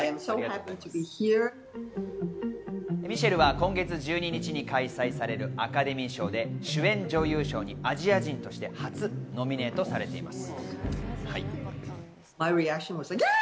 ミシェルは今月１２日に開催されるアカデミー賞で主演女優賞にアジア人として初ノミネートされています。